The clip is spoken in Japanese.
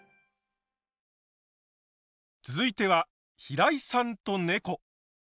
続いては「平井さんと猫」。